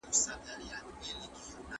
خلک له کلیو څخه ښارونو ته ځي.